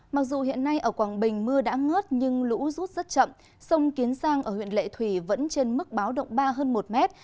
mặc dù hiện nay ở quảng bình mưa đã ngớt nhưng lũ rút rất chậm sông kiến giang ở huyện lệ thủy vẫn trên mức báo động ba hơn một mét